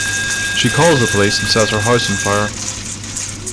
She calls the police and sets her house on fire.